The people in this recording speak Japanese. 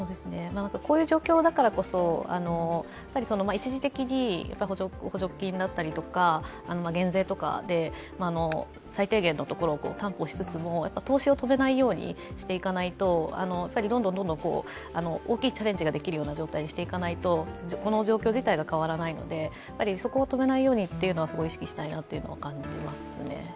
こういう状況だからこそ、一時的に補助金だったりとか、減税とかで最低限のところを担保しつつも、投資を止めないようにしていかないと、どんどん大きいチャレンジができるような状態にしていかないと、この状況自体が変わらないので、そこを止めないようにとは意識したいと感じますね。